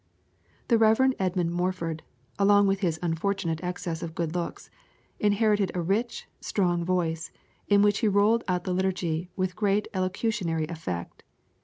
The Rev. Edmund Morford, along with his unfortunate excess of good looks, inherited a rich, strong voice, in which he rolled out the liturgy with great elocutionary effect.